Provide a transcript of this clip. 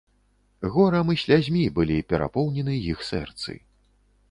Горам і слязьмі былі перапоўнены іх сэрцы.